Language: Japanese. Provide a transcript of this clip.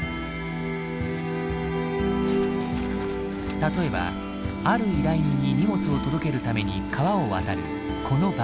例えばある依頼人に荷物を届けるために川を渡るこの場面。